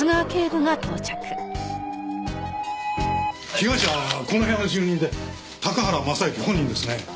被害者はこの部屋の住人で高原雅之本人ですね。